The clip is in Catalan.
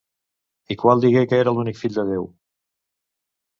El qual digué que era l'únic Fill de Déu.